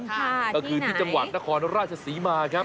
ค่ะที่ไหนก็คือที่จังหวัดนครราชศรีมาครับ